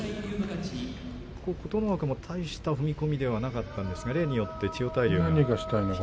琴ノ若も大した踏み込みではなかったですが例によって千代大龍は。